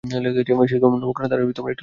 শীর্ণ মুখখানা তাহার একটু লম্বাটে হইয়া যায়।